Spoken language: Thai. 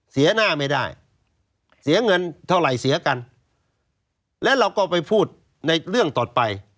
เสียหน้าไม่ได้เสียเงินเท่าไหร่เสียกันและเราก็ไปพูดในเรื่องต่อไป